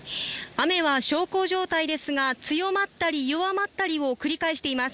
雨は小康状態ですが強まったり弱まったりを繰り返しています。